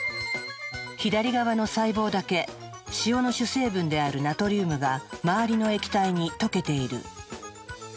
左側の細胞だけ塩の主成分であるナトリウムが周りの液体に溶けている。